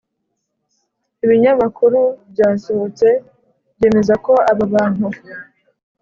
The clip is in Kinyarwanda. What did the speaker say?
ibinyamakuru byasohotse byemeza ko aba bantu